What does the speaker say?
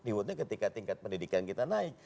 rewardnya ketika tingkat pendidikan kita naik